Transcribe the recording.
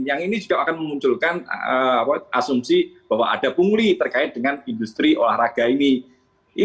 yang ini juga akan memunculkan asumsi bahwa ada pungli terkait dengan industri olahraga ini